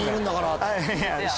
って。